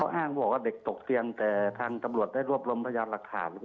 อ้างบอกว่าเด็กตกเตียงแต่ทางตำรวจได้รวบรวมพยานหลักฐาน